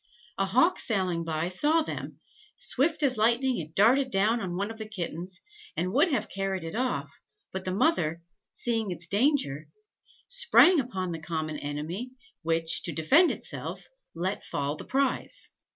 A hawk sailing by, saw them: swift as lightning it darted down on one of the kittens, and would have carried it off, but the mother, seeing its danger, sprang upon the common enemy, which, to defend itself, let fall the prize.